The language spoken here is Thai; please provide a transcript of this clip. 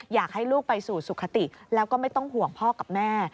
อยากให้ลูกไปสู่สุขติแล้วก็ไม่ต้องห่วงพ่อกับแม่